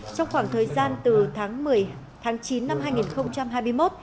trong khoảng thời gian từ tháng chín năm hai nghìn hai mươi một đến tháng một mươi năm hai nghìn hai mươi một